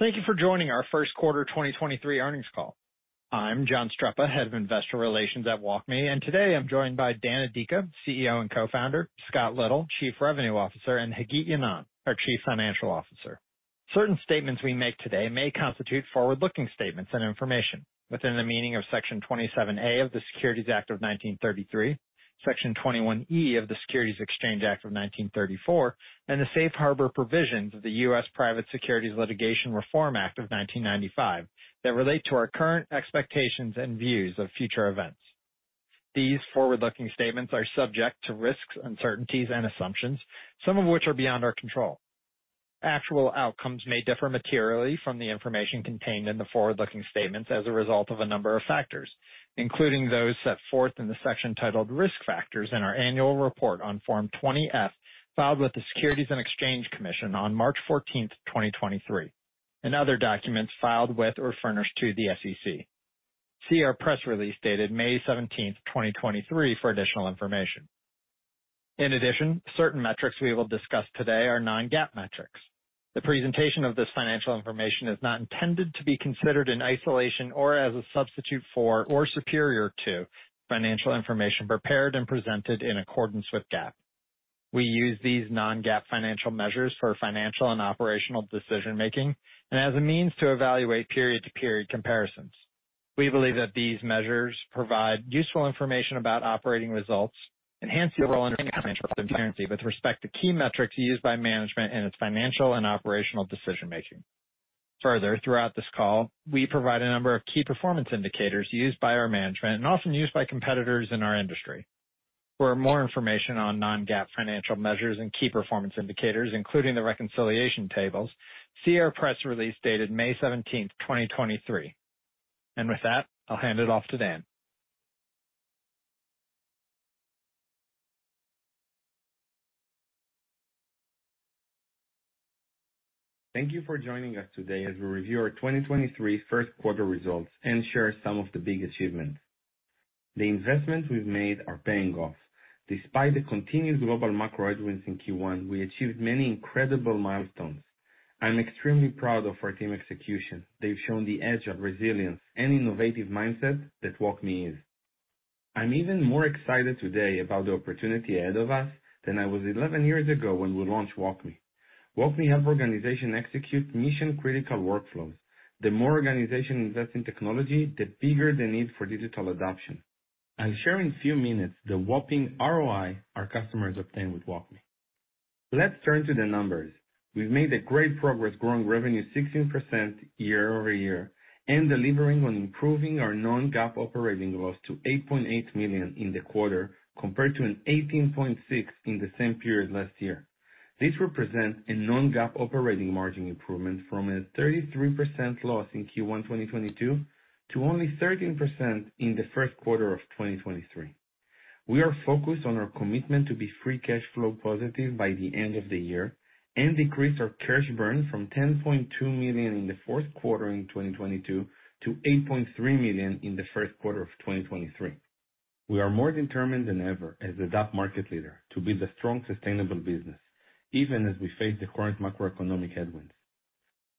Thank you for joining our 1st quarter 2023 earnings call. I'm John Streppa, Head of Investor Relations at WalkMe, and today I'm joined by Dan Adika, CEO and Co-founder, Scott Little, Chief Revenue Officer, and Hagit Ynon, our Chief Financial Officer. Certain statements we make today may constitute forward-looking statements and information within the meaning of Section 27A of the Securities Act of 1933, Section 21E of the Securities Exchange Act of 1934, and the safe harbor provisions of the U.S. Private Securities Litigation Reform Act of 1995 that relate to our current expectations and views of future events. These forward-looking statements are subject to risks, uncertainties and assumptions, some of which are beyond our control. Actual outcomes may differ materially from the information contained in the forward-looking statements as a result of a number of factors, including those set forth in the section titled Risk Factors in our annual report on Form 20-F, filed with the Securities and Exchange Commission on March 14th, 2023, and other documents filed with or furnished to the SEC. See our press release dated May 17th, 2023 for additional information. In addition, certain metrics we will discuss today are non-GAAP metrics. The presentation of this financial information is not intended to be considered in isolation or as a substitute for or superior to financial information prepared and presented in accordance with GAAP. We use these non-GAAP financial measures for financial and operational decision-making and as a means to evaluate period-to-period comparisons. We believe that these measures provide useful information about operating results, enhance the overall transparency with respect to key metrics used by management in its financial and operational decision-making. Further, throughout this call, we provide a number of key performance indicators used by our management and often used by competitors in our industry. For more information on non-GAAP financial measures and key performance indicators, including the reconciliation tables, see our press release dated May 17, 2023. With that, I'll hand it off to Dan. Thank you for joining us today as we review our 2023 1st quarter results and share some of the big achievements. The investments we've made are paying off. Despite the continued global macro headwinds in Q1, we achieved many incredible milestones. I'm extremely proud of our team execution. They've shown the edge of resilience and innovative mindset that WalkMe is. I'm even more excited today about the opportunity ahead of us than I was 11 years ago when we launched WalkMe. WalkMe help organization execute mission-critical workflows. The more organization invest in technology, the bigger the need for digital adoption. I'll share in a few minutes the whopping ROI our customers obtain with WalkMe. Let's turn to the numbers. We've made great progress growing revenue 16% year-over-year and delivering on improving our non-GAAP operating loss to $8.8 million in the quarter compared to an $18.6 million in the same period last year. This represents a non-GAAP operating margin improvement from a 33% loss in Q1 2022 to only 13% in the first quarter of 2023. We are focused on our commitment to be free cash flow positive by the end of the year and decrease our cash burn from $10.2 million in the fourth quarter of 2022 to $8.3 million in the first quarter of 2023. We are more determined than ever as the DAP market leader to build a strong sustainable business even as we face the current macroeconomic headwinds.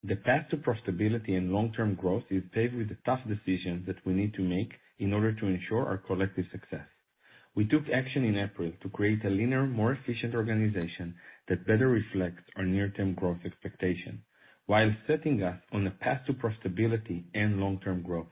The path to profitability and long-term growth is paved with the tough decisions that we need to make in order to ensure our collective success. We took action in April to create a leaner, more efficient organization that better reflects our near-term growth expectation while setting us on a path to profitability and long-term growth.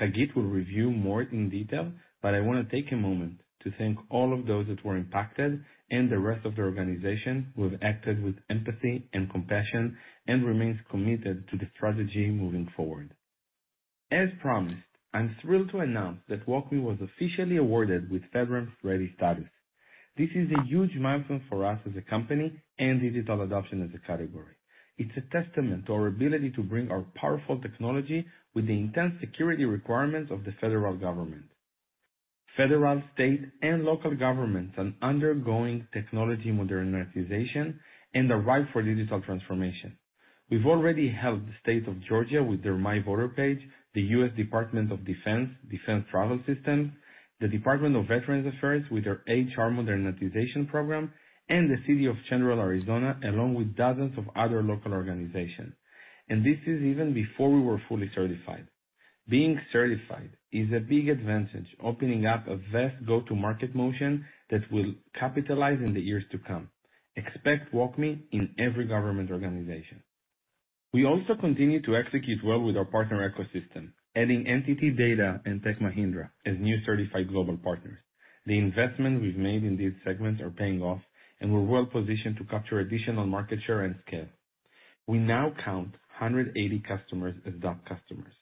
Hagit will review more in detail, but I wanna take a moment to thank all of those that were impacted and the rest of the organization who have acted with empathy and compassion and remains committed to the strategy moving forward. As promised, I'm thrilled to announce that WalkMe was officially awarded with Veteran Ready status. This is a huge milestone for us as a company and digital adoption as a category. It's a testament to our ability to bring our powerful technology with the intense security requirements of the federal government. Federal, state, and local governments are undergoing technology modernization and are ripe for digital transformation. We've already helped the state of Georgia with their My Voter Page, the US Department of Defense Travel System, the Department of Veterans Affairs with their HR modernization program, and the City of Chandler, Arizona, along with dozens of other local organizations. This is even before we were fully certified. Being certified is a big advantage, opening up a vast go-to-market motion that we'll capitalize in the years to come. Expect WalkMe in every government organization. We also continue to execute well with our partner ecosystem, adding NTT DATA and Tech Mahindra as new certified global partners. The investment we've made in these segments are paying off, and we're well positioned to capture additional market share and scale. We now count 180 customers as DAP customers,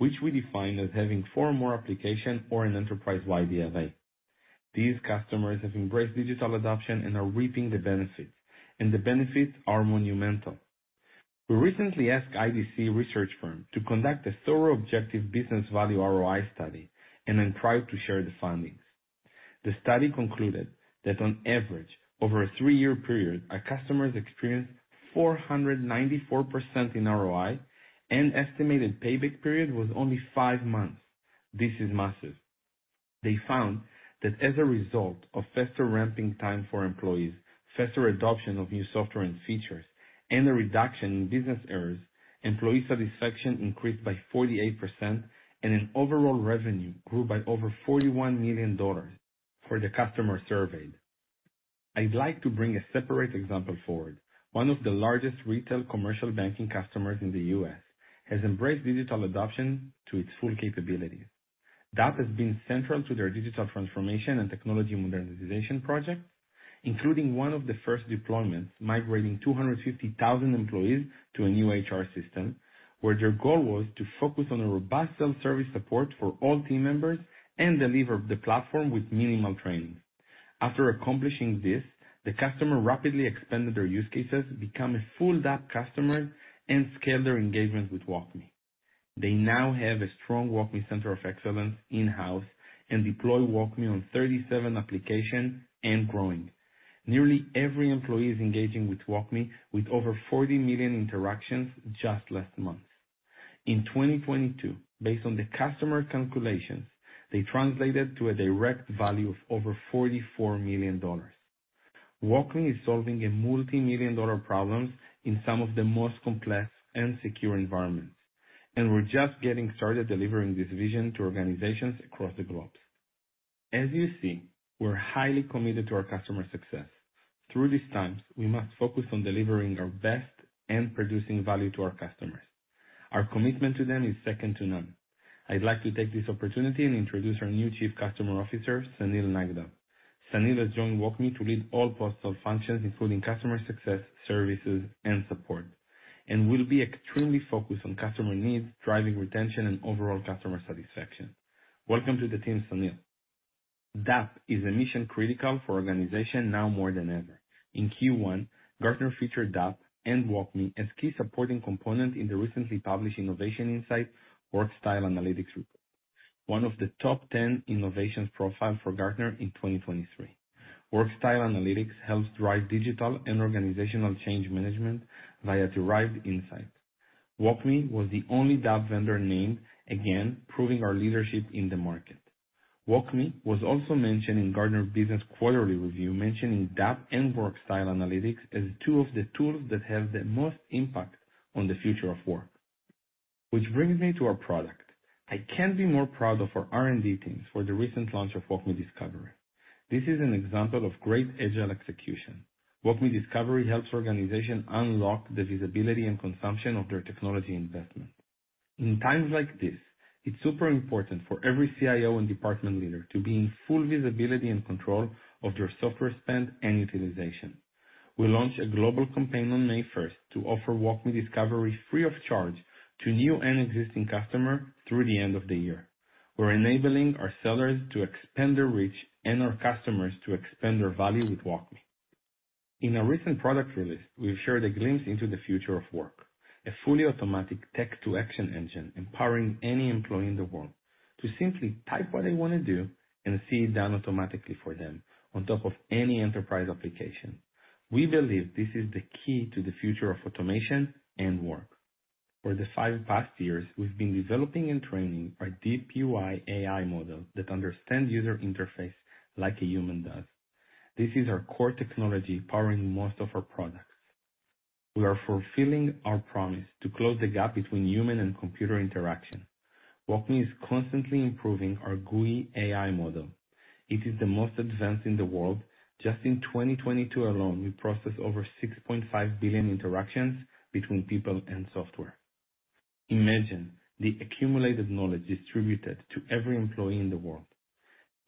which we define as having four more application or an enterprise-wide ELA. These customers have embraced digital adoption and are reaping the benefits. The benefits are monumental. We recently asked IDC research firm to conduct a thorough, objective business value ROI study. Tried to share the findings. The study concluded that on average, over a three-year period, our customers experienced 494% in ROI and estimated payback period was only five months. This is massive. They found that as a result of faster ramping time for employees, faster adoption of new software and features, and a reduction in business errors, employee satisfaction increased by 48% and in overall revenue grew by over $41 million for the customer surveyed. I'd like to bring a separate example forward. One of the largest retail commercial banking customers in the U.S. has embraced digital adoption to its full capability. DAP has been central to their digital transformation and technology modernization project, including one of the first deployments migrating 250,000 employees to a new HR system, where their goal was to focus on a robust self-service support for all team members and deliver the platform with minimal training. After accomplishing this, the customer rapidly expanded their use cases, become a full DAP customer, and scaled their engagement with WalkMe. They now have a strong WalkMe center of excellence in-house and deploy WalkMe on 37 applications and growing. Nearly every employee is engaging with WalkMe with over 40 million interactions just last month. In 2022, based on the customer calculations, they translated to a direct value of over $44 million. WalkMe is solving a multimillion-dollar problems in some of the most complex and secure environments, and we're just getting started delivering this vision to organizations across the globe. As you see, we're highly committed to our customer success. Through these times, we must focus on delivering our best and producing value to our customers. Our commitment to them is second to none. I'd like to take this opportunity and introduce our new Chief Customer Officer, Sunil Nagdev. Sunil has joined WalkMe to lead all postal functions, including customer success, services and support, and will be extremely focused on customer needs, driving retention, and overall customer satisfaction. Welcome to the team, Sunil. DAP is a mission-critical for organization now more than ever. In Q1, Gartner featured DAP and WalkMe as key supporting component in the recently published Innovation Insight Workstyle Analytics report. One of the top 10 innovations profiled for Gartner in 2023. Workstyle Analytics helps drive digital and organizational change management via derived insights. WalkMe was the only DAP vendor named, again, proving our leadership in the market. WalkMe was also mentioned in Gartner Business quarterly review, mentioning DAP and Workstyle Analytics as two of the tools that have the most impact on the future of work. Which brings me to our product. I can't be more proud of our R&D teams for the recent launch of WalkMe Discovery. This is an example of great agile execution. WalkMe Discovery helps organizations unlock the visibility and consumption of their technology investment. In times like this, it's super important for every CIO and department leader to be in full visibility and control of their software spend and utilization. We launched a global campaign on May first to offer WalkMe Discovery free of charge to new and existing customer through the end of the year. We're enabling our sellers to expand their reach and our customers to expand their value with WalkMe. In a recent product release, we've shared a glimpse into the future of work. A fully automatic tech-to-action engine empowering any employee in the world to simply type what they wanna do and see it done automatically for them on top of any enterprise application. We believe this is the key to the future of automation and work. For the five past years, we've been developing and training our deep UI AI model that understands user interface like a human does. This is our core technology powering most of our products. We are fulfilling our promise to close the gap between human and computer interaction. WalkMe is constantly improving our GUI AI model. It is the most advanced in the world. Just in 2022 alone, we processed over 6.5 billion interactions between people and software. Imagine the accumulated knowledge distributed to every employee in the world.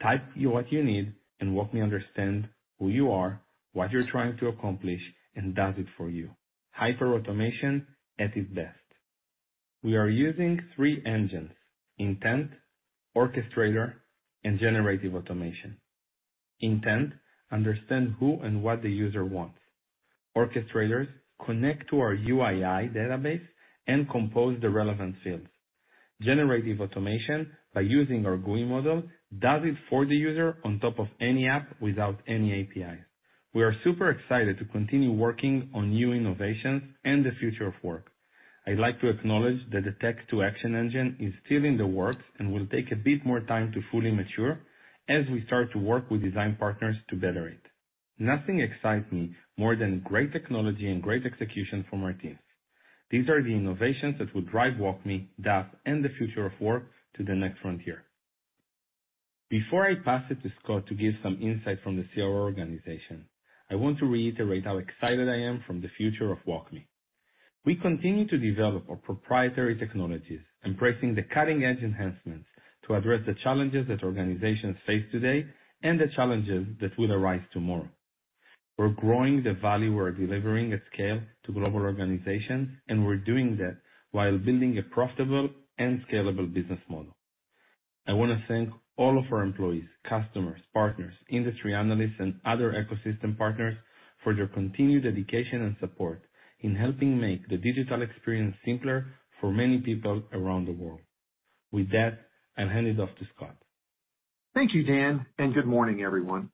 Type what you need and WalkMe understand who you are, what you're trying to accomplish, and does it for you. Hyper automation at its best. We are using three engines: intent, orchestrator, and generative automation. Intent understand who and what the user wants. Orchestrators connect to our UI AI database and compose the relevant fields. Generative automation, by using our GUI model, does it for the user on top of any app without any API. We are super excited to continue working on new innovations and the future of work. I'd like to acknowledge that the tech-to-action engine is still in the works and will take a bit more time to fully mature as we start to work with design partners to better it. Nothing excites me more than great technology and great execution from our teams. These are the innovations that will drive WalkMe, DAP, and the future of work to the next frontier. Before I pass it to Scott to give some insight from the CRO organization, I want to reiterate how excited I am from the future of WalkMe. We continue to develop our proprietary technologies, embracing the cutting-edge enhancements to address the challenges that organizations face today and the challenges that will arise tomorrow. We're growing the value we're delivering at scale to global organizations, and we're doing that while building a profitable and scalable business model.I want to thank all of our employees, customers, partners, industry analysts, and other ecosystem partners for their continued dedication and support in helping make the digital experience simpler for many people around the world. With that, I'll hand it off to Scott. Thank you, Dan. Good morning, everyone.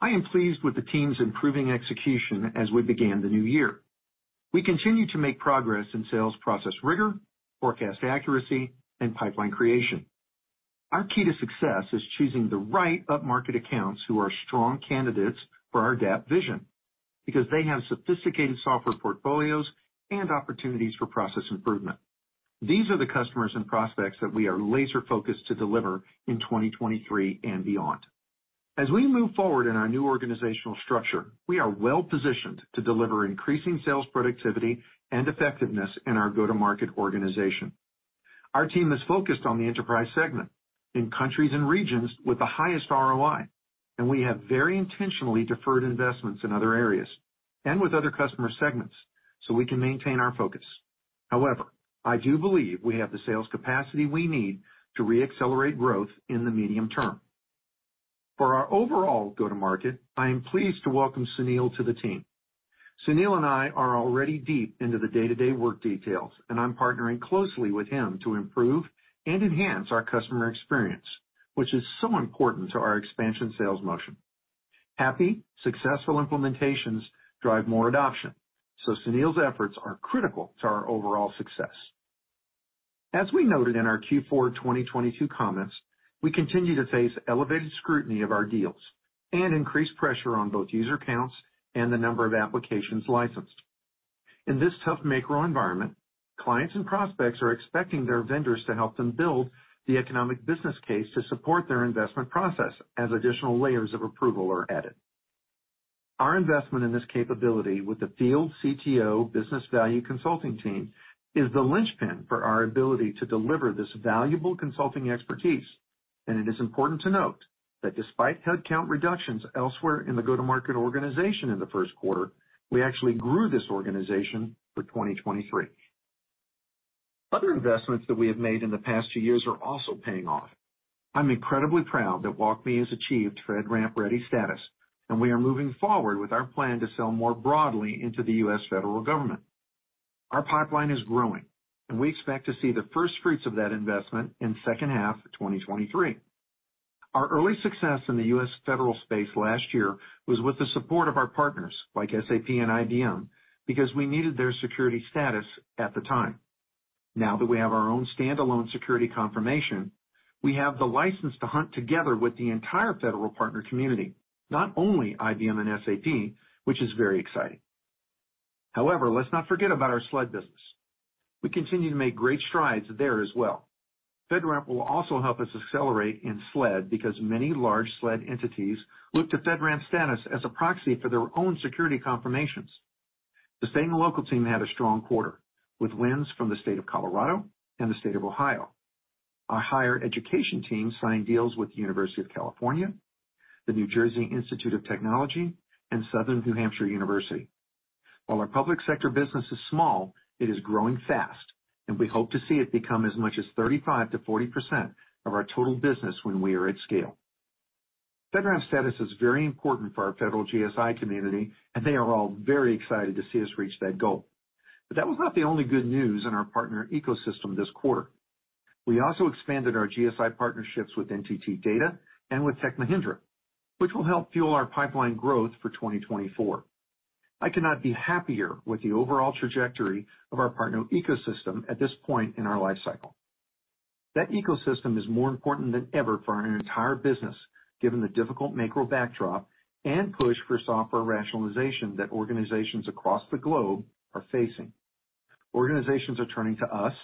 I am pleased with the team's improving execution as we began the new year. We continue to make progress in sales process rigor, forecast accuracy, and pipeline creation. Our key to success is choosing the right upmarket accounts who are strong candidates for our DAP vision, because they have sophisticated software portfolios and opportunities for process improvement. These are the customers and prospects that we are laser focused to deliver in 2023 and beyond. As we move forward in our new organizational structure, we are well-positioned to deliver increasing sales productivity and effectiveness in our go-to-market organization. Our team is focused on the enterprise segment in countries and regions with the highest ROI. We have very intentionally deferred investments in other areas and with other customer segments, so we can maintain our focus. However, I do believe we have the sales capacity we need to re-accelerate growth in the medium term. For our overall go-to-market, I am pleased to welcome Sunil to the team. Sunil and I are already deep into the day-to-day work details, and I'm partnering closely with him to improve and enhance our customer experience, which is so important to our expansion sales motion. Happy, successful implementations drive more adoption, so Sunil's efforts are critical to our overall success. As we noted in our Q4 2022 comments, we continue to face elevated scrutiny of our deals and increased pressure on both user counts and the number of applications licensed. In this tough macro environment, clients and prospects are expecting their vendors to help them build the economic business case to support their investment process as additional layers of approval are added. Our investment in this capability with the field CTO business value consulting team is the linchpin for our ability to deliver this valuable consulting expertise. It is important to note that despite headcount reductions elsewhere in the go-to-market organization in the first quarter, we actually grew this organization for 2023. Other investments that we have made in the past two years are also paying off. I'm incredibly proud that WalkMe has achieved FedRAMP Ready status, and we are moving forward with our plan to sell more broadly into the U.S. federal government. Our pipeline is growing, and we expect to see the first fruits of that investment in second half of 2023. Our early success in the U.S. federal space last year was with the support of our partners, like SAP and IBM, because we needed their security status at the time. Now that we have our own standalone security confirmation, we have the license to hunt together with the entire federal partner community, not only IBM and SAP, which is very exciting. Let's not forget about our SLED business. We continue to make great strides there as well. FedRAMP will also help us accelerate in SLED because many large SLED entities look to FedRAMP status as a proxy for their own security confirmations. The state and local team had a strong quarter, with wins from the state of Colorado and the state of Ohio. Our higher education team signed deals with the University of California, the New Jersey Institute of Technology, and Southern New Hampshire University. Our public sector business is small, it is growing fast, and we hope to see it become as much as 35%-40% of our total business when we are at scale. FedRAMP status is very important for our federal GSI community, and they are all very excited to see us reach that goal. That was not the only good news in our partner ecosystem this quarter. We also expanded our GSI partnerships with NTT DATA and with Tech Mahindra, which will help fuel our pipeline growth for 2024. I could not be happier with the overall trajectory of our partner ecosystem at this point in our life cycle. That ecosystem is more important than ever for our entire business, given the difficult macro backdrop and push for software rationalization that organizations across the globe are facing. Organizations are turning to us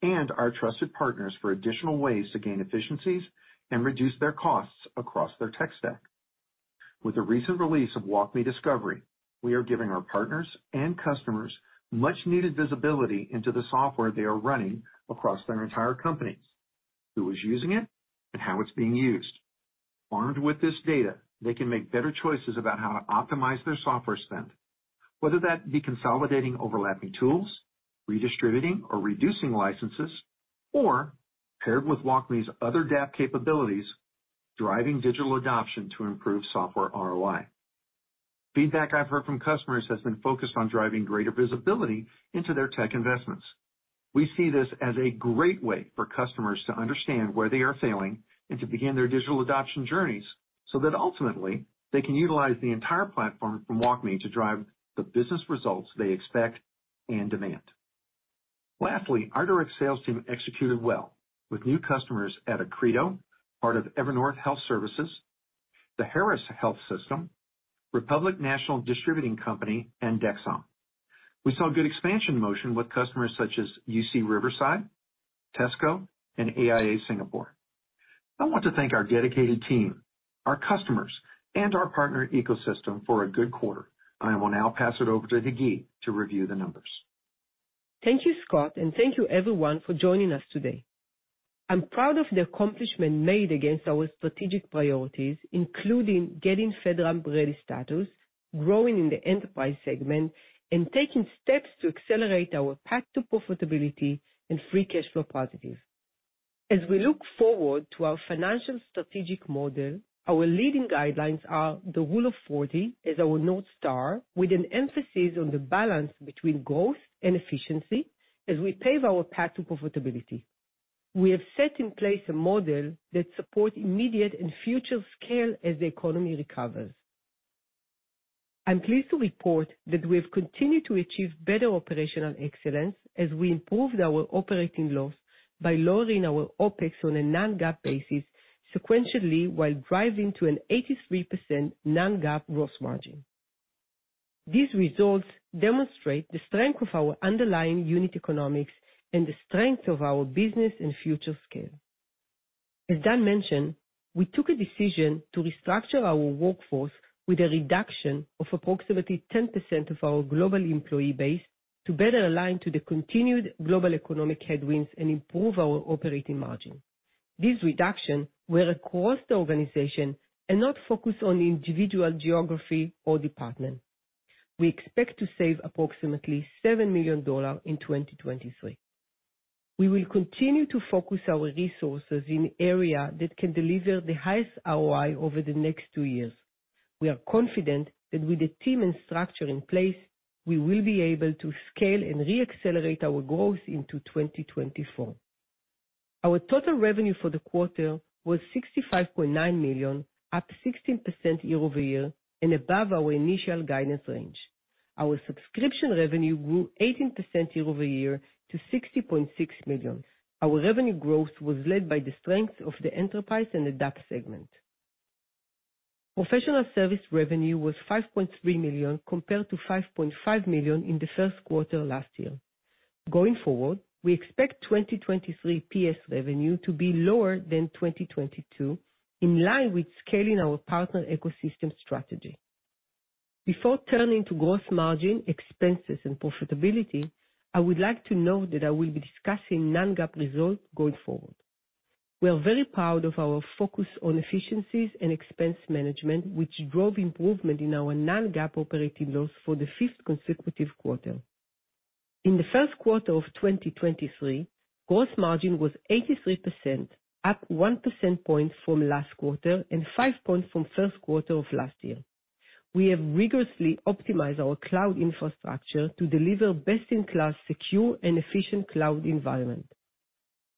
and our trusted partners for additional ways to gain efficiencies and reduce their costs across their tech stack. With the recent release of WalkMe Discovery, we are giving our partners and customers much needed visibility into the software they are running across their entire companies, who is using it, and how it's being used. Armed with this data, they can make better choices about how to optimize their software spend, whether that be consolidating overlapping tools, redistributing or reducing licenses, or paired with WalkMe's other DAP capabilities, driving digital adoption to improve software ROI. Feedback I've heard from customers has been focused on driving greater visibility into their tech investments. We see this as a great way for customers to understand where they are failing and to begin their digital adoption journeys so that ultimately they can utilize the entire platform from WalkMe to drive the business results they expect and demand. Lastly, our direct sales team executed well with new customers at Accredo, part of Evernorth Health Services, the Harris Health System, Republic National Distributing Company, and Dexcom. We saw good expansion motion with customers such as UC Riverside, Tesco, and AIA Singapore. I want to thank our dedicated team, our customers, and our partner ecosystem for a good quarter. I will now pass it over to Hagit to review the numbers. Thank you, Scott, thank you everyone for joining us today. I'm proud of the accomplishment made against our strategic priorities, including getting FedRAMP Ready status, growing in the enterprise segment, and taking steps to accelerate our path to profitability and free cash flow positive. As we look forward to our financial strategic model, our leading guidelines are the Rule of 40 as our North Star, with an emphasis on the balance between growth and efficiency as we pave our path to profitability. We have set in place a model that supports immediate and future scale as the economy recovers. I'm pleased to report that we have continued to achieve better operational excellence as we improved our operating loss by lowering our OpEx on a non-GAAP basis sequentially, while driving to an 83% non-GAAP gross margin. These results demonstrate the strength of our underlying unit economics and the strength of our business and future scale. As Dan mentioned, we took a decision to restructure our workforce with a reduction of approximately 10% of our global employee base to better align to the continued global economic headwinds and improve our operating margin. This reduction were across the organization and not focused on individual geography or department. We expect to save approximately $7 million in 2023. We will continue to focus our resources in area that can deliver the highest ROI over the next two years. We are confident that with the team and structure in place, we will be able to scale and re-accelerate our growth into 2024. Our total revenue for the quarter was $65.9 million, up 16% year-over-year and above our initial guidance range. Our subscription revenue grew 18% year over year to $60.6 million. Our revenue growth was led by the strength of the enterprise and the DACH segment. Professional service revenue was $5.3 million compared to $5.5 million in the first quarter last year. Going forward, we expect 2023 PS revenue to be lower than 2022, in line with scaling our partner ecosystem strategy. Before turning to gross margin expenses and profitability, I would like to note that I will be discussing non-GAAP results going forward. We are very proud of our focus on efficiencies and expense management, which drove improvement in our non-GAAP operating loss for the fifth consecutive quarter. In the first quarter of 2023, gross margin was 83%, up 1 percentage point from last quarter and five points from first quarter of last year. We have rigorously optimized our cloud infrastructure to deliver best-in-class, secure and efficient cloud environment.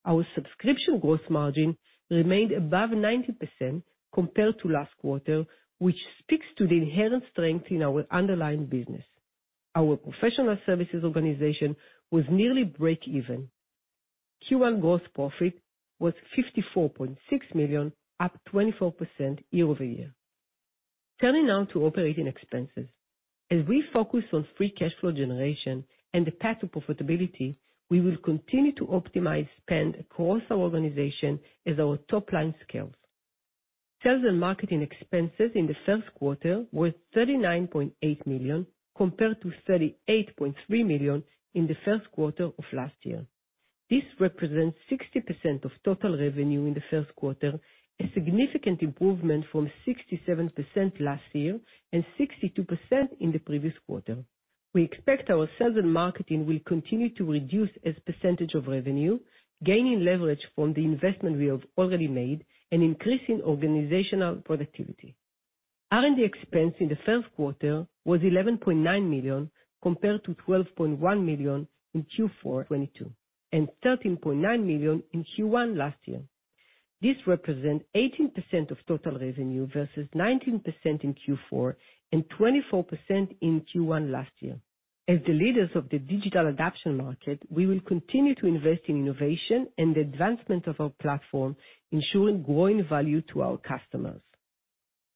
Our subscription gross margin remained above 90% compared to last quarter, which speaks to the inherent strength in our underlying business. Our professional services organization was nearly break even. Q1 gross profit was $54.6 million, up 24% year-over-year. Turning now to operating expenses. As we focus on free cash flow generation and the path to profitability, we will continue to optimize spend across our organization as our top line scales. Sales and marketing expenses in the first quarter were $39.8 million, compared to $38.3 million in the first quarter of last year. This represents 60% of total revenue in the first quarter, a significant improvement from 67% last year and 62% in the previous quarter. We expect our sales and marketing will continue to reduce as percentage of revenue, gaining leverage from the investment we have already made and increasing organizational productivity. R&D expense in the first quarter was $11.9 million, compared to $12.1 million in Q4 2022, and $13.9 million in Q1 last year. This represent 18% of total revenue versus 19% in Q4 and 24% in Q1 last year. As the leaders of the digital adoption market, we will continue to invest in innovation and the advancement of our platform, ensuring growing value to our customers.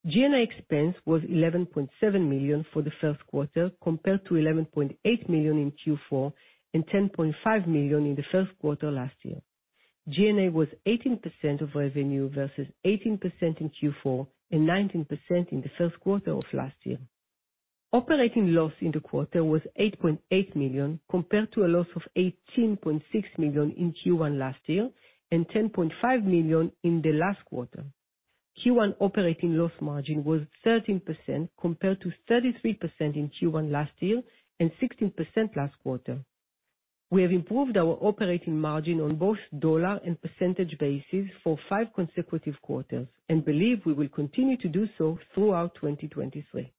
G&A expense was $11.7 million for the first quarter, compared to $11.8 million in Q4 and $10.5 million in the first quarter last year. G&A was 18% of revenue versus 18% in Q4 and 19% in the first quarter of last year. Operating loss in the quarter was $8.8 million, compared to a loss of $18.6 million in Q1 last year and $10.5 million in the last quarter. Q1 operating loss margin was 13%, compared to 33% in Q1 last year and 16% last quarter. We have improved our operating margin on both dollar and percentage basis for five consecutive quarters and believe we will continue to do so throughout 2023.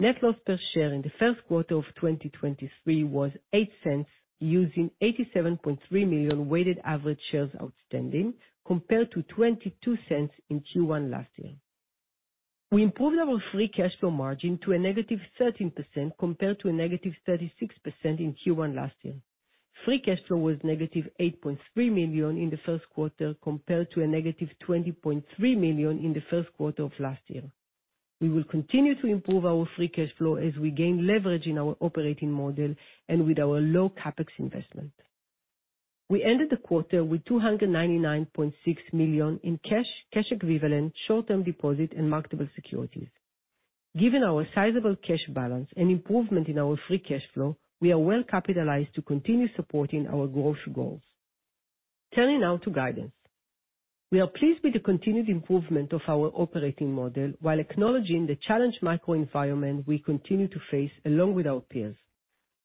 Net loss per share in the first quarter of 2023 was $0.08, using 87.3 million weighted average shares outstanding, compared to $0.22 in Q1 last year. We improved our free cash flow margin to a negative 13%, compared to a negative 36% in Q1 last year. Free cash flow was negative $8.3 million in the first quarter, compared to a negative $20.3 million in the first quarter of last year. We will continue to improve our free cash flow as we gain leverage in our operating model and with our low CapEx investment. We ended the quarter with $299.6 million in cash equivalent, short-term deposits and marketable securities. Given our sizable cash balance and improvement in our free cash flow, we are well capitalized to continue supporting our growth goals. Turning now to guidance. We are pleased with the continued improvement of our operating model while acknowledging the challenged macro environment we continue to face along with our peers.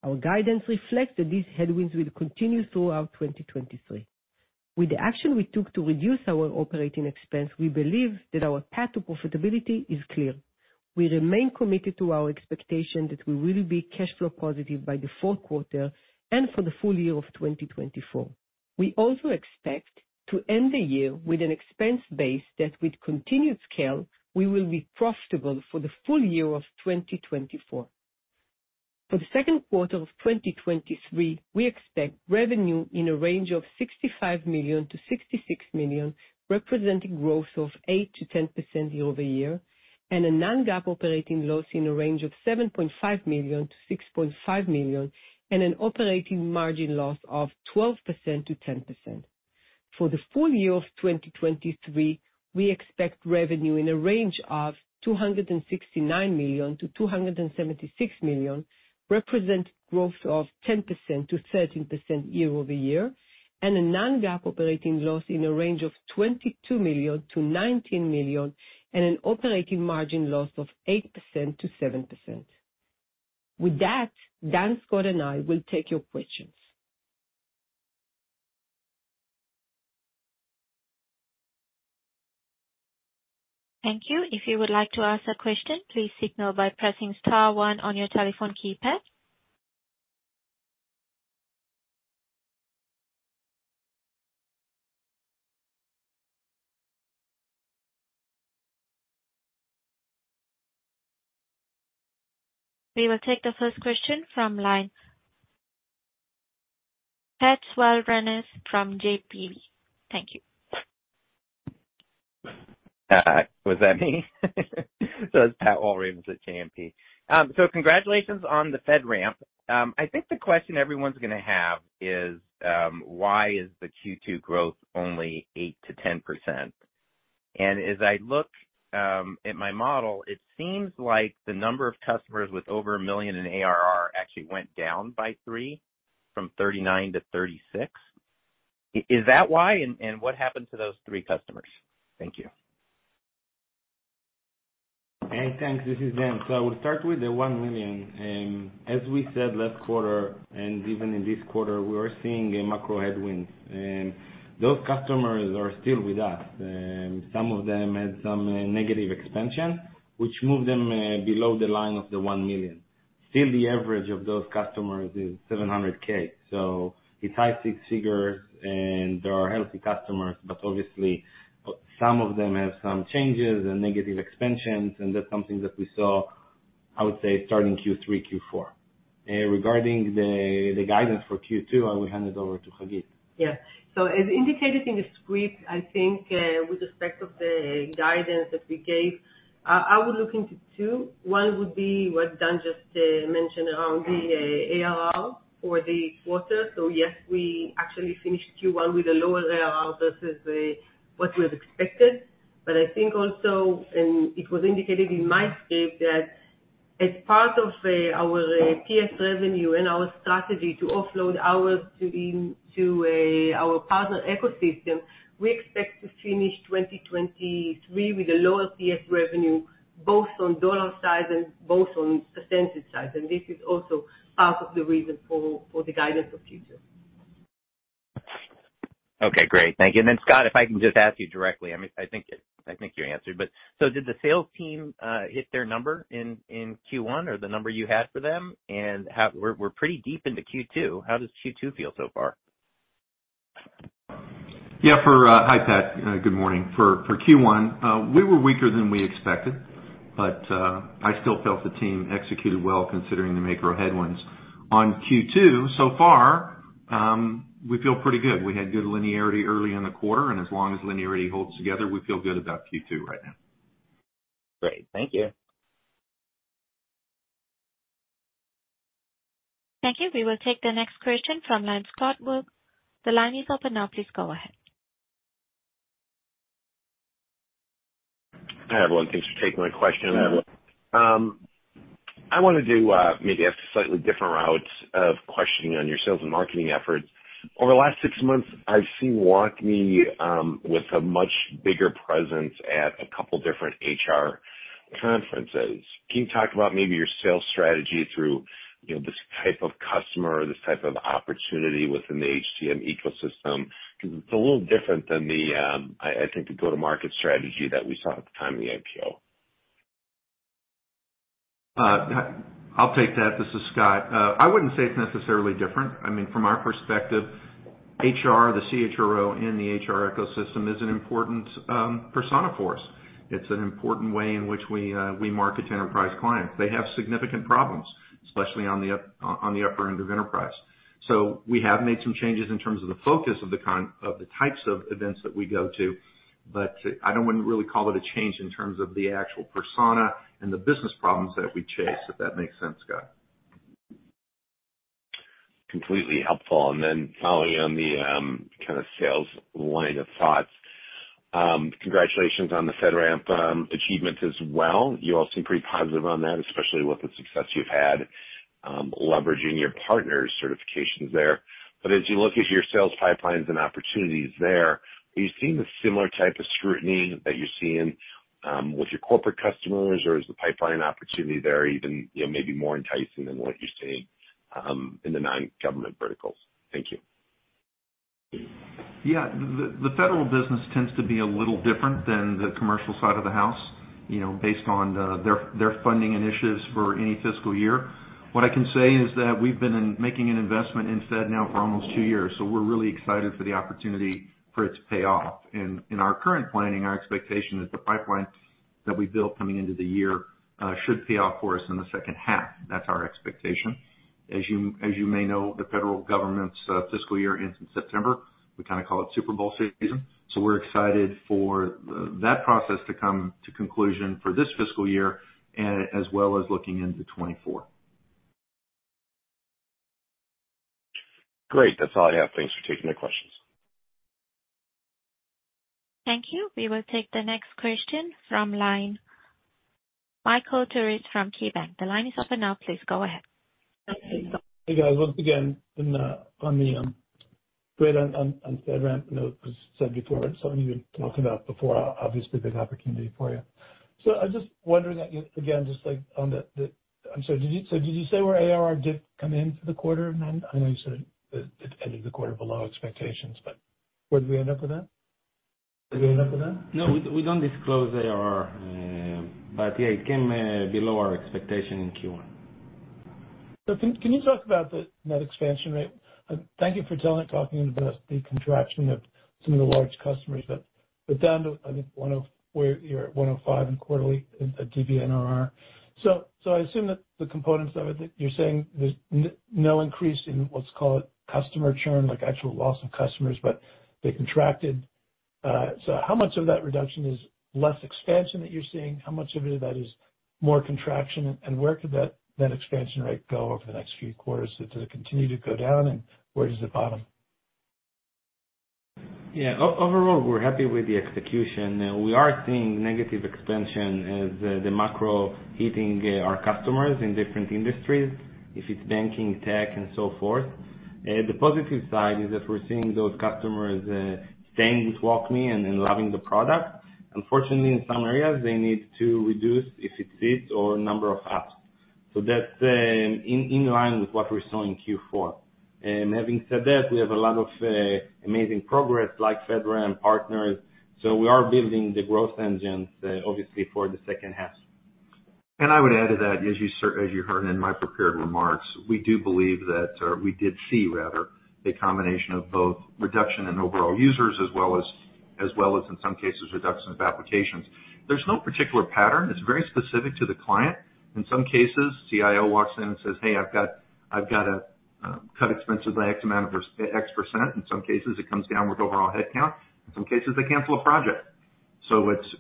Our guidance reflects that these headwinds will continue throughout 2023. With the action we took to reduce our operating expense, we believe that our path to profitability is clear. We remain committed to our expectation that we will be cash flow positive by the fourth quarter and for the full year of 2024. We also expect to end the year with an expense base that with continued scale, we will be profitable for the full year of 2024. For the second quarter of 2023, we expect revenue in a range of $65 million-$66 million, representing growth of 8%-10% year-over-year, and a non-GAAP operating loss in a range of $7.5 million-$6.5 million, and an operating margin loss of 12%-10%.For the full year of 2023, we expect revenue in a range of $269 million-$276 million, represent growth of 10%-13% year-over-year, and a non-GAAP operating loss in a range of $22 million-$19 million, and an operating margin loss of 8%-7%. With that, Dan, Scott, and I will take your questions. Thank you. If you would like to ask a question, please signal by pressing star one on your telephone keypad. We will take the first question from line. Pat Walravens from JMP. Thank you. Was that me? It's Pat Walravens with JMP. Congratulations on the FedRAMP. I think the question everyone's gonna have is, why is the Q2 growth only 8%-10%? As I look at my model, it seems like the number of customers with over $1 million in ARR actually went down by three, from 39 to 36. Is that why, and what happened to those three customers? Thank you. Hey, thanks. This is Dan. I will start with the $1 million. As we said last quarter and even in this quarter, we are seeing a macro headwinds. Those customers are still with us. Some of them had some negative expansion, which moved them below the line of the $1 million. Still the average of those customers is $700K. it's high six figures, and they are healthy customers, but obviously some of them have some changes and negative expansions, and that's something that we saw, I would say, starting Q3, Q4. Regarding the guidance for Q2, I will hand it over to Hagit. Yeah. As indicated in the script, I think, with respect of the guidance that we gave, I would look into 2. One would be what Dan just mentioned around the ARR for the quarter. Yes, we actually finished Q1 with a lower ARR versus what was expected. I think also, it was indicated in my script that as part of our PS revenue and our strategy to offload ours to the, to our partner ecosystem, we expect to finish 2023 with a lower PS revenue, both on dollar size and both on % size. This is also part of the reason for the guidance of Q2. Okay, great. Thank you. Scott, if I can just ask you directly. I mean, I think you answered, did the sales team hit their number in Q1 or the number you had for them? We're pretty deep into Q2. How does Q2 feel so far? Yeah. Hi, Pat. Good morning. For Q1, we were weaker than we expected, but I still felt the team executed well considering the macro headwinds. On Q2, so far, we feel pretty good. We had good linearity early in the quarter, and as long as linearity holds together, we feel good about Q2 right now. Great. Thank you. Thank you. We will take the next question from Scott Berg. The line is open now. Please go ahead. Hi, everyone. Thanks for taking my question. I wanna do maybe a slightly different route of questioning on your sales and marketing efforts. Over the last six months, I've seen WalkMe with a much bigger presence at a couple different HR conferences. Can you talk about maybe your sales strategy through, you know, this type of customer or this type of opportunity within the HCM ecosystem? 'Cause it's a little different than the, I think, the go-to-market strategy that we saw at the time of the IPO. I'll take that. This is Scott. I wouldn't say it's necessarily different. I mean, from our perspective, HR, the CHRO in the HR ecosystem is an important persona for us. It's an important way in which we market to enterprise clients. They have significant problems, especially on the upper end of enterprise. We have made some changes in terms of the focus of the types of events that we go to, but I don't wanna really call it a change in terms of the actual persona and the business problems that we chase, if that makes sense, Scott. Completely helpful. Following on the kind of sales line of thoughts, congratulations on the FedRAMP achievements as well. You all seem pretty positive on that, especially with the success you've had, leveraging your partners' certifications there. As you look at your sales pipelines and opportunities there, are you seeing the similar type of scrutiny that you're seeing with your corporate customers? Is the pipeline opportunity there even, you know, maybe more enticing than what you're seeing in the non-government verticals? Thank you. The federal business tends to be a little different than the commercial side of the house, you know, based on their funding initiatives for any fiscal year. What I can say is that we've been making an investment in Fed now for almost two years, so we're really excited for the opportunity for it to pay off. In our current planning, our expectation is the pipeline that we built coming into the year should pay off for us in the second half. That's our expectation. As you may know, the Federal government's fiscal year ends in September. We kind of call it Super Bowl season. We're excited for that process to come to conclusion for this fiscal year as well as looking into 2024.Great. That's all I have. Thanks for taking the questions. Thank you. We will take the next question from line Michael Turits from KeyBanc. The line is open now. Please go ahead. Hey, guys. Once again, on the FedRAMP note, as said before, something you talked about before, obviously a big opportunity for you. I was just wondering again, just like on the. I'm sorry, did you say where ARR did come in for the quarter? I know you said it ended the quarter below expectations, but where did we end up with that? No, we don't disclose ARR. Yeah, it came below our expectation in Q1. Can you talk about the net expansion rate? Thank you for talking about the contraction of some of the large customers that are down to, I think, 10 where you're at 105 in quarterly DBNRR. I assume that the components of it that you're saying there's no increase in what's called customer churn, like actual loss of customers, but they contracted. How much of that reduction is less expansion that you're seeing? How much of it that is more contraction? Where could that expansion rate go over the next few quarters? Does it continue to go down, and where does it bottom? Yeah. Overall, we're happy with the execution. We are seeing negative expansion as the macro hitting our customers in different industries, if it's banking, tech and so forth. The positive side is that we're seeing those customers staying with WalkMe and loving the product. Unfortunately, in some areas, they need to reduce if it fits or number of apps. That's in line with what we saw in Q4. Having said that, we have a lot of amazing progress like FedRAMP partners, so we are building the growth engines obviously for the second half. I would add to that, as you heard in my prepared remarks, we do believe that, or we did see rather, a combination of both reduction in overall users as well as in some cases, reduction of applications. There's no particular pattern. It's very specific to the client. In some cases, CIO walks in and says, "Hey, I've got to cut expenses by X or X%." In some cases, it comes down with overall headcount. In some cases, they cancel a project.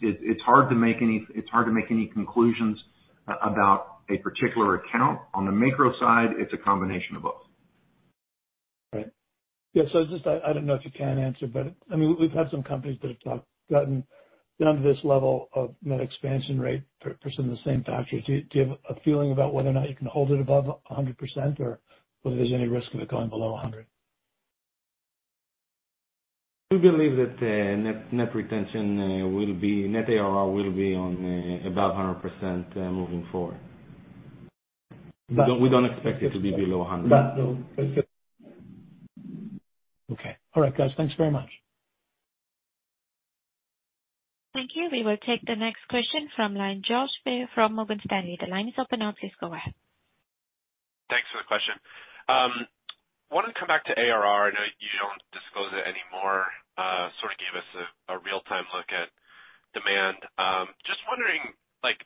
It's hard to make any conclusions about a particular account. On the macro side, it's a combination of both. Right. Yeah, just I don't know if you can answer, but, I mean, we've had some companies that have gotten down to this level of net expansion rate for some of the same factors. Do you have a feeling about whether or not you can hold it above 100% or whether there's any risk of it going below 100? We believe that net ARR will be on, above 100%, moving forward. We don't expect it to be below 100. That's all. That's it. Okay. All right, guys. Thanks very much. Thank you. We will take the next question from Josh Baer from Morgan Stanley. The line is open now. Please go ahead. Thanks for the question. wanted to come back to ARR. I know you don't disclose it anymore. sort of gave us a real-time look at demand. just wondering, like,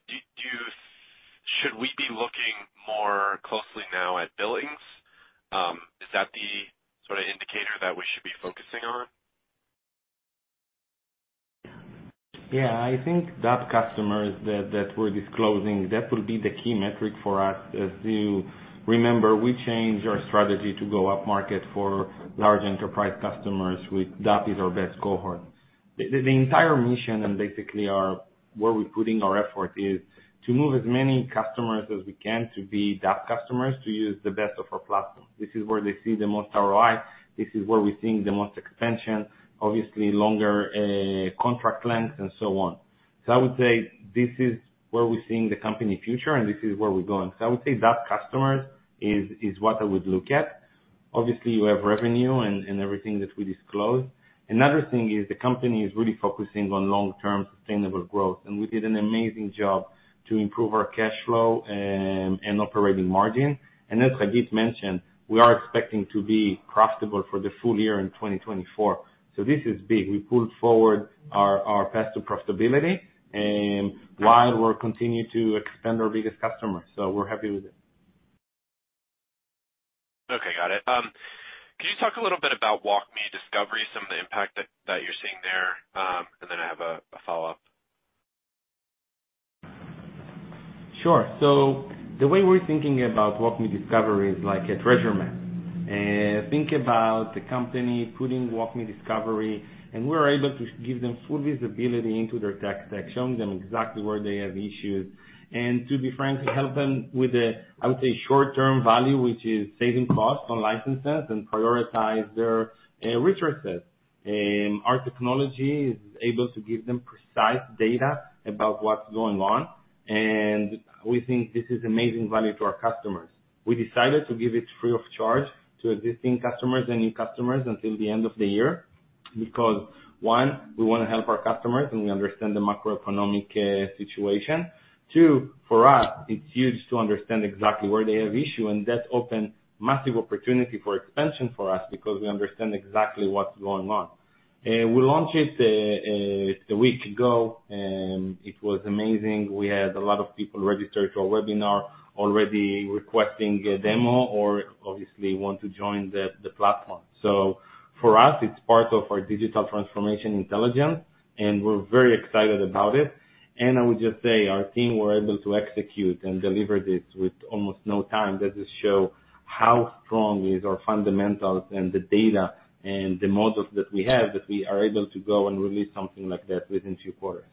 should we be looking more closely now at billings? is that the sort of indicator that we should be focusing on? I think DAP customers that we're disclosing, that will be the key metric for us. As you remember, we changed our strategy to go upmarket for large enterprise customers with DAP is our best cohort. The entire mission and basically where we're putting our effort is to move as many customers as we can to be DAP customers to use the best of our platform. This is where they see the most ROI, this is where we're seeing the most expansion, obviously longer contract lengths and so on. This is where we're seeing the company future and this is where we're going. DAP customers is what I would look at. Obviously, you have revenue and everything that we disclose. Another thing is the company is really focusing on long-term sustainable growth. We did an amazing job to improve our cash flow and operating margin. As Hagit mentioned, we are expecting to be profitable for the full year in 2024. This is big. We pulled forward our path to profitability while we're continuing to expand our biggest customers. We're happy with it. Okay. Got it. Can you talk a little bit about WalkMe Discovery, some of the impact that you're seeing there? I have a follow-up. Sure. The way we're thinking about WalkMe Discovery is like a treasure map. Think about the company putting WalkMe Discovery, and we're able to give them full visibility into their tech stack, showing them exactly where they have issues, and to be frank, to help them with the, I would say, short-term value, which is saving costs on licenses and prioritize their resources. Our technology is able to give them precise data about what's going on, and we think this is amazing value to our customers. We decided to give it free of charge to existing customers and new customers until the end of the year. Because one, we wanna help our customers and we understand the macroeconomic situation. Two, for us, it's huge to understand exactly where they have issue and that open massive opportunity for expansion for us because we understand exactly what's going on. We launched it, one week ago, and it was amazing. We had a lot of people registered to our webinar already requesting a demo or obviously want to join the platform. For us, it's part of our digital transformation intelligence, and we're very excited about it. I would just say our team were able to execute and deliver this with almost no time. That just show how strong is our fundamentals and the data and the models that we have, that we are able to go and release something like that within two quarters.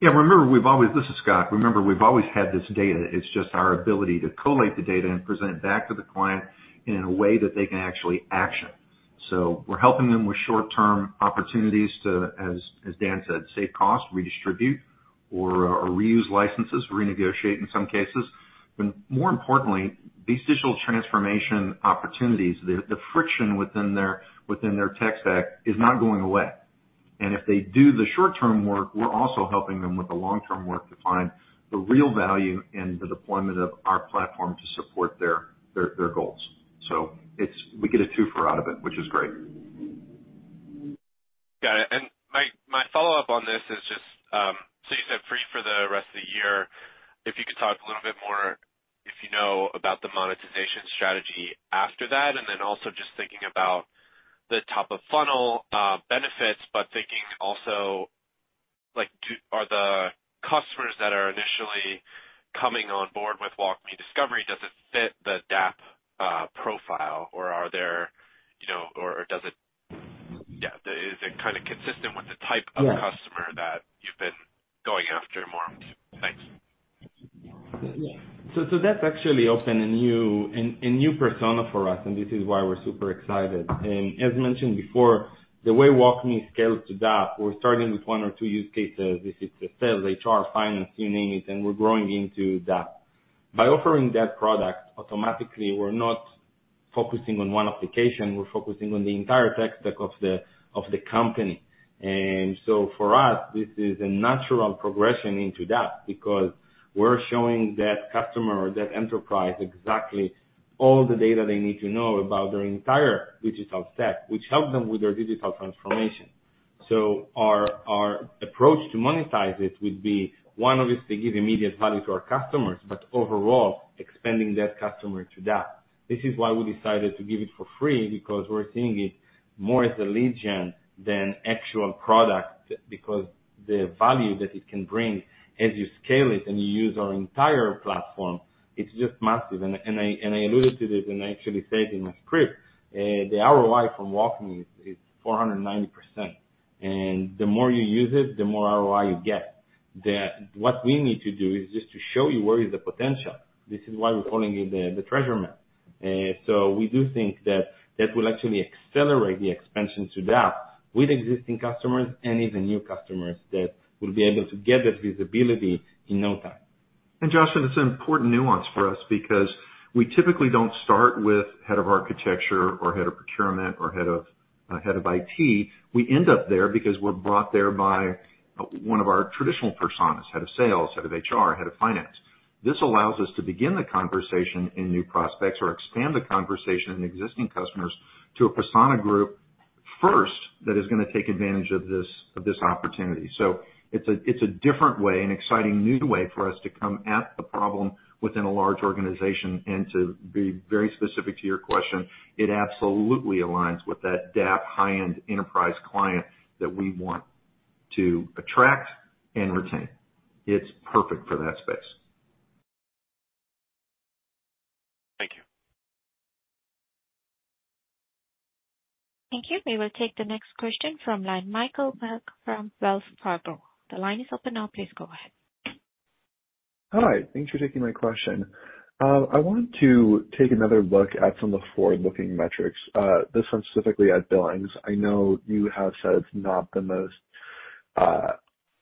Yeah. This is Scott Little. Remember, we've always had this data. It's just our ability to collate the data and present back to the client in a way that they can actually action. We're helping them with short-term opportunities to, as Dan Adika said, save costs, redistribute or reuse licenses, renegotiate in some cases. More importantly, these digital transformation opportunities, the friction within their tech stack is not going away. If they do the short-term work, we're also helping them with the long-term work to find the real value in the deployment of our platform to support their goals. We get a twofer out of it, which is great. Got it. My, my follow-up on this is just, so you said free for the rest of the year. If you could talk a little bit more, if you know about the monetization strategy after that, and then also just thinking about the top of funnel benefits, but thinking also like are the customers that are initially coming on board with WalkMe Discovery, does it fit the DAP profile, or are there, you know, or is it kinda consistent with the type of customer? Yeah. that you've been going after more? Thanks. That's actually opened a new persona for us, and this is why we're super excited. As mentioned before, the way WalkMe scales to DAP, we're starting with one or two use cases. This is the sales, HR, finance, you name it, and we're growing into that. By offering that product, automatically, we're not focusing on one application, we're focusing on the entire tech stack of the company. For us, this is a natural progression into that because we're showing that customer or that enterprise exactly all the data they need to know about their entire digital set, which help them with their digital transformation. Our approach to monetize it would be, one, obviously give immediate value to our customers, but overall expanding that customer to that. This is why we decided to give it for free because we're seeing it more as a lead gen than actual product because the value that it can bring as you scale it and you use our entire platform, it's just massive. I alluded to this, and I actually said in my script, the ROI from WalkMe is 490%. The more you use it, the more ROI you get. What we need to do is just to show you where is the potential. This is why we're calling it the treasure map. We do think that that will actually accelerate the expansion to that with existing customers and even new customers that will be able to get that visibility in no time. Justin, it's an important nuance for us because we typically don't start with head of architecture or head of procurement or head of IT. We end up there because we're brought there by one of our traditional personas, head of sales, head of HR, head of finance. This allows us to begin the conversation in new prospects or expand the conversation in existing customers to a persona group first that is gonna take advantage of this opportunity. It's a different way, an exciting new way for us to come at the problem within a large organization. To be very specific to your question, it absolutely aligns with that DAP high-end enterprise client that we want to attract and retain. It's perfect for that space. Thank you. Thank you. We will take the next question from line Michael Berg from Wells Fargo. The line is open now. Please go ahead. Hi. Thanks for taking my question. I wanted to take another look at some of the forward-looking metrics, this one specifically at billings. I know you have said it's not the most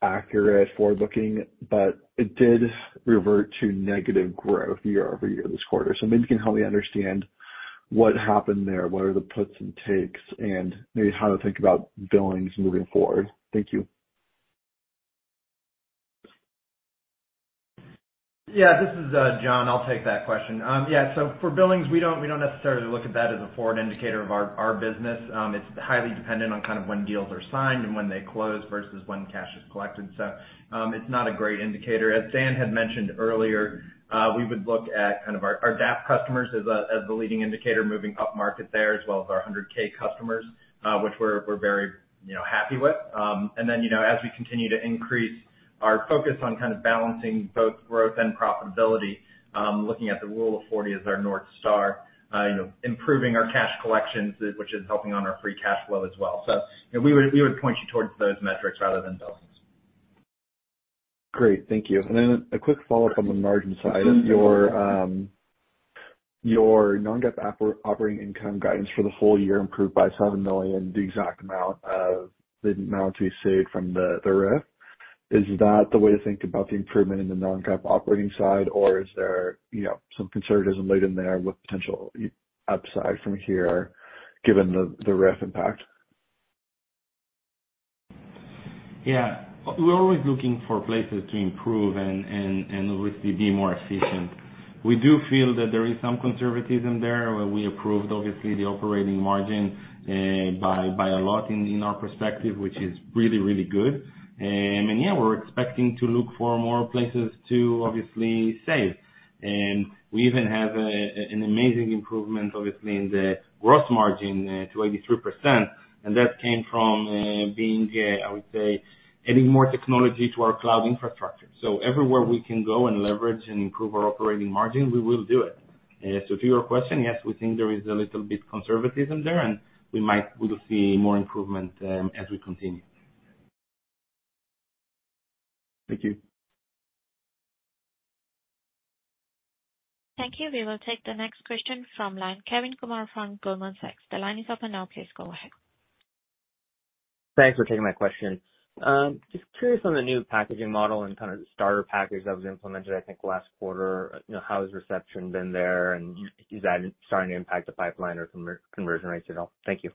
accurate forward-looking, but it did revert to negative growth year-over-year this quarter. Maybe you can help me understand what happened there, what are the puts and takes, and maybe how to think about billings moving forward. Thank you. Yeah. This is John, I'll take that question. Yeah, for billings, we don't necessarily look at that as a forward indicator of our business. It's highly dependent on kind of when deals are signed and when they close versus when cash is collected. It's not a great indicator. As Dan had mentioned earlier, we would look at kind of our DAP customers as the leading indicator moving upmarket there, as well as our 100K customers, which we're very, you know, happy with. Then, you know, as we continue to increase our focus on kind of balancing both growth and profitability, looking at the Rule of 40 as our North Star, you know, improving our cash collections, which is helping on our free cash flow as well. You know, we would point you towards those metrics rather than billings. Great. Thank you. A quick follow-up on the margin side. Your, your non-GAAP operating income guidance for the whole year improved by $7 million, the exact amount of the amount you saved from the RIF. Is that the way to think about the improvement in the non-GAAP operating side or is there, you know, some conservatism laid in there with potential upside from here given the RIF impact? We're always looking for places to improve and obviously be more efficient. We do feel that there is some conservatism there. We approved obviously the operating margin by a lot in our perspective, which is really, really good. We're expecting to look for more places to obviously save. We even have an amazing improvement, obviously, in the gross margin to 83%, and that came from being, I would say, adding more technology to our cloud infrastructure. Everywhere we can go and leverage and improve our operating margin, we will do it. To your question, yes, we think there is a little bit conservatism there, and we will see more improvement as we continue. Thank you. Thank you. We will take the next question from line, Kevin Kumar from Goldman Sachs. The line is open now. Please go ahead. Thanks for taking my question. Just curious on the new packaging model and kind of the starter package that was implemented, I think last quarter, you know, how has reception been there and is that starting to impact the pipeline or conversion rates at all? Thank you.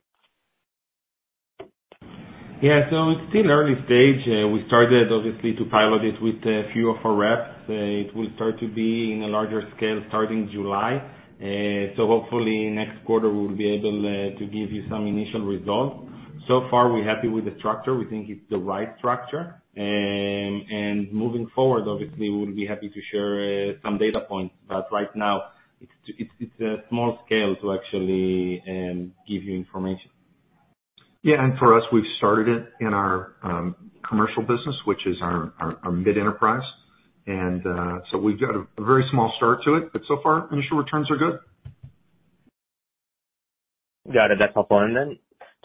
Yeah. It's still early stage. We started obviously to pilot it with a few of our reps. It will start to be in a larger scale starting July. Hopefully next quarter we'll be able to give you some initial results. So far, we're happy with the structure. We think it's the right structure. Moving forward, obviously, we'll be happy to share some data points, but right now it's a small scale to actually give you information. Yeah. For us, we've started it in our commercial business, which is our mid-enterprise. We've got a very small start to it, but so far initial returns are good. Got it. That's helpful.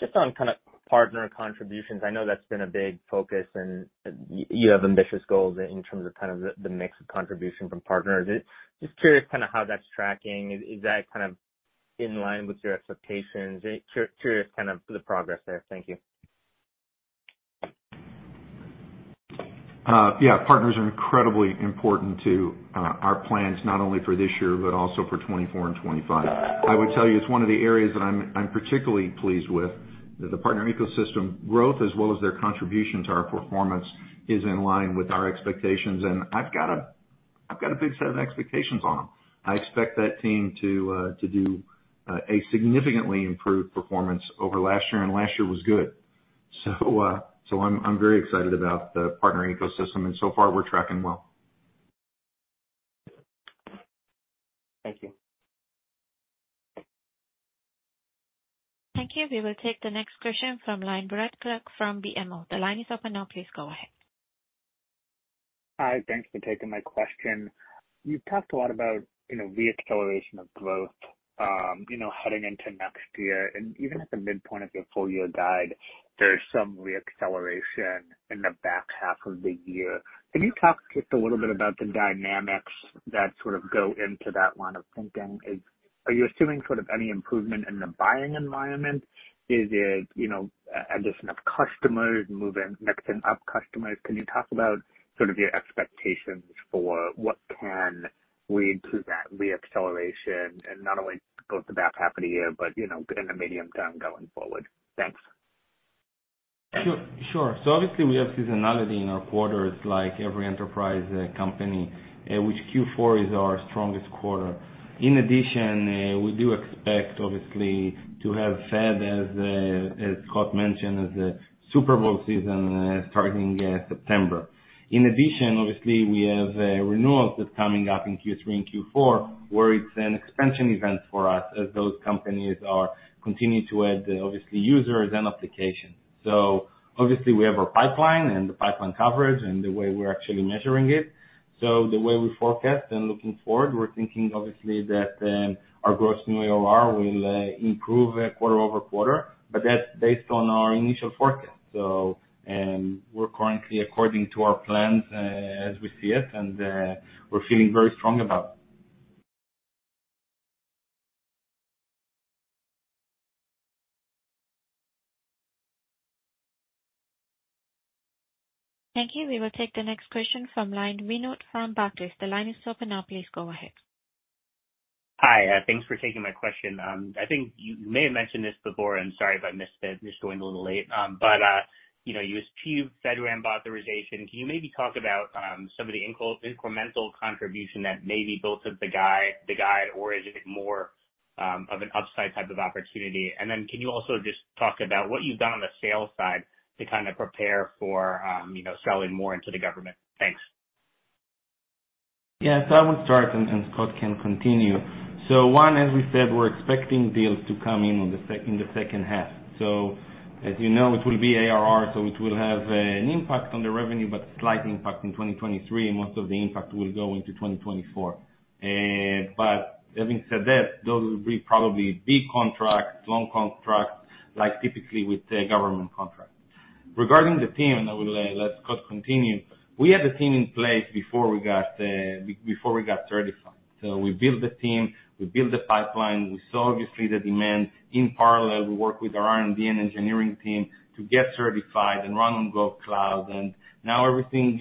Just on kind of partner contributions, I know that's been a big focus and you have ambitious goals in terms of kind of the mix of contribution from partners. Just curious kind of how that's tracking. Is that kind of in line with your expectations? Curious kind of the progress there. Thank you. Yeah. Partners are incredibly important to our plans, not only for this year, but also for 2024 and 2025. I would tell you it's one of the areas that I'm particularly pleased with. The partner ecosystem growth as well as their contribution to our performance is in line with our expectations. I've got a big set of expectations on them. I expect that team to do a significantly improved performance over last year. Last year was good. I'm very excited about the partner ecosystem. So far we're tracking well. Thank you. Thank you. We will take the next question from line, Greg Clark from BMO. The line is open now. Please go ahead. Hi. Thanks for taking my question. You've talked a lot about, you know, re-acceleration of growth, you know, heading into next year. Even at the midpoint of your full year guide, there's some re-acceleration in the back half of the year. Can you talk just a little bit about the dynamics that sort of go into that line of thinking? Are you assuming sort of any improvement in the buying environment? Is it, you know, addition of customers moving next gen up customers? Can you talk about sort of your expectations for what can lead to that re-acceleration and not only go to the back half of the year, but you know, in the medium term going forward? Thanks. Sure. Sure. Obviously we have seasonality in our quarters like every enterprise company, which Q4 is our strongest quarter. In addition, we do expect obviously to have Fed as Scott mentioned, as a Super Bowl season starting September. In addition, obviously, we have renewals that's coming up in Q3 and Q4, where it's an expansion event for us as those companies are continuing to add obviously users and applications. Obviously we have our pipeline and the pipeline coverage and the way we're actually measuring it. The way we forecast and looking forward, we're thinking obviously that our gross new OR will improve quarter-over-quarter, but that's based on our initial forecast. We're currently according to our plans as we see it, and we're feeling very strong about it. Thank you. We will take the next question from line, Vinod from Barclays. The line is open now. Please go ahead. Hi. Thanks for taking my question. I think you may have mentioned this before, and sorry if I missed it, just joined a little late. You know, you achieved FedRAMP authorization. Can you maybe talk about some of the incremental contribution that maybe built up the guide or is it more of an upside type of opportunity? Can you also just talk about what you've done on the sales side to kind of prepare for, you know, selling more into the government? Thanks. Yeah. I will start and Scott can continue. One, as we said, we're expecting deals to come in in the second half. As you know, it will be ARR, so it will have an impact on the revenue, but slight impact in 2023, and most of the impact will go into 2024. Having said that, those will be probably big contracts, long contracts, like typically with the government contracts. Regarding the team, I will let Scott continue. We had the team in place before we got before we got certified. We built the team, we built the pipeline, we saw obviously the demand. In parallel, we worked with our R&D and engineering team to get certified and run on GovCloud, and now everything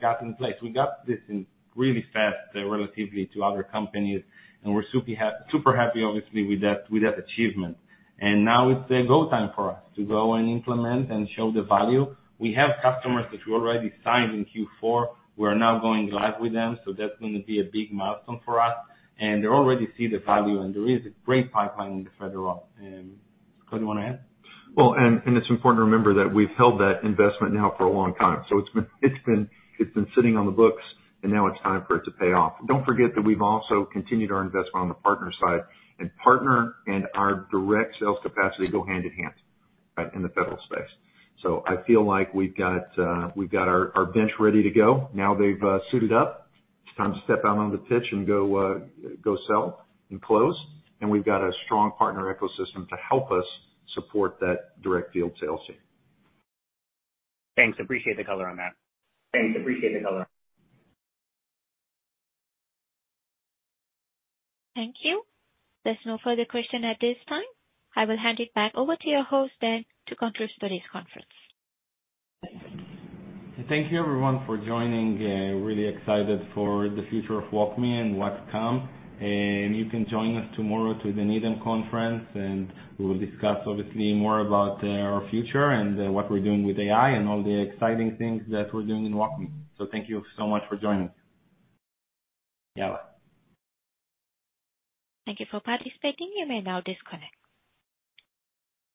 got in place. We got this in really fast relatively to other companies. We're super happy obviously with that, with that achievement. Now it's the go time for us to go and implement and show the value. We have customers that we already signed in Q4. We are now going live with them, so that's gonna be a big milestone for us. They already see the value, and there is a great pipeline in the federal. Scott, you wanna add? Well, and it's important to remember that we've held that investment now for a long time. It's been sitting on the books, and now it's time for it to pay off. Don't forget that we've also continued our investment on the partner side, and partner and our direct sales capacity go hand in hand, right? In the federal space. I feel like we've got our bench ready to go. Now they've suited up, it's time to step out on the pitch and go sell and close, and we've got a strong partner ecosystem to help us support that direct field sales team. Thanks. Appreciate the color on that. Thanks. Appreciate the color. Thank you. There's no further question at this time. I will hand it back over to your host then to conclude today's conference. Thank you everyone for joining. Really excited for the future of WalkMe and what's come. You can join us tomorrow to the Needham Conference, and we will discuss obviously more about our future and what we're doing with AI and all the exciting things that we're doing in WalkMe. Thank you so much for joining. Yeah. Thank you for participating. You may now disconnect.